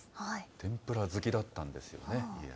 天ぷら好きだったんですよね、家康。